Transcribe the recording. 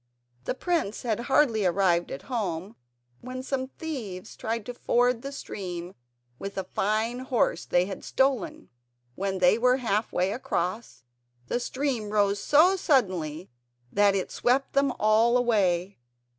The prince had hardly arrived at home when some thieves tried to ford the stream with a fine horse they had stolen. When they were half way across, the stream rose so suddenly that it swept them all away.